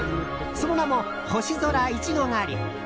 その名も星空いちご狩り！